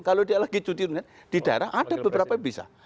kalau dia lagi cuti di daerah ada beberapa yang bisa